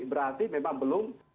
berarti memang belum